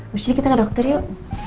disini kita ke dokter yuk